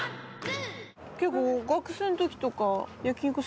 結構。